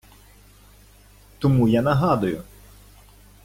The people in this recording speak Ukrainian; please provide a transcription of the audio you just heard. Тому я нагадую